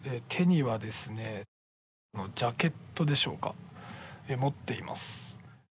手には、ジャケットでしょうか持っています。